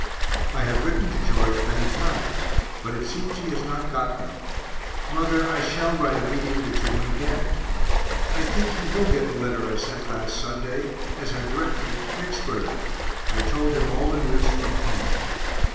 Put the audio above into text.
I have written to George many times, but it seems he has not got them. Mother, I shall write immediately to him again. I think he will get the letter I sent last Sunday, as I directed it to Vicksburg I told him all the news from home.